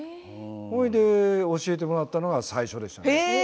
それで教えてもらったのが最初ですよね。